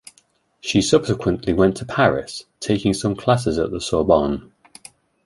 She subsequently went to Paris, taking some classes at the Sorbonne.